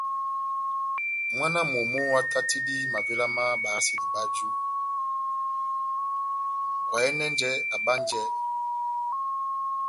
Mwána wa momó átátidi mavéla má bayasedi báju, oháyɛnɛjɛ abánjɛ,